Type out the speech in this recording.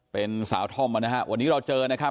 เป็นสาวท่อมมานะฮะวันนี้เราเจอนะครับ